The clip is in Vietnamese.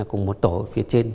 cùng một tổ phía trên